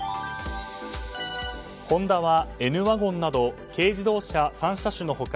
ホンダはＮ‐ＷＧＮなど軽自動車３車種の他